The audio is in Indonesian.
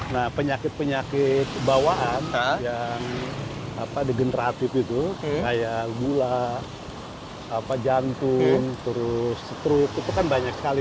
nah penyakit penyakit bawaan yang degeneratif itu kayak gula jantung terus stroke itu kan banyak sekali